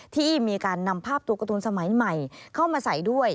ที่มีการนำภาพตัวการ์ตูนสมัยใหม่เข้ามาใส่ด้วย